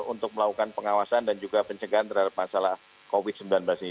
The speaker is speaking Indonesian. untuk melakukan pengawasan dan juga pencegahan terhadap masalah covid sembilan belas ini